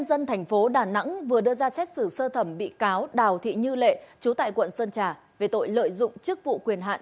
xin chào các bạn